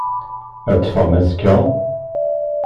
Ad teffɣem azekka?